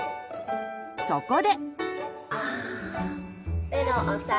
そこで。